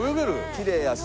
きれいやし。